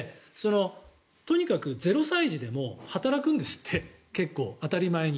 とにかく０歳児でも働くんですって、当たり前に。